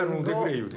言うて。